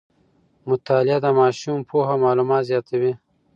مطالعه د ماشوم پوهه او معلومات زیاتوي.